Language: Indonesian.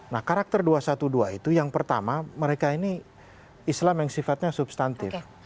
nah karakter dua ratus dua belas itu yang pertama mereka ini islam yang sifatnya substantif